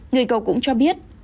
người cậu cũng cho biết